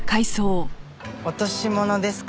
落とし物ですか？